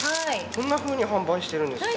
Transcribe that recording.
こんなふうに販売してるんですか。